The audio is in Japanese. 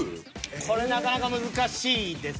これなかなか難しいです。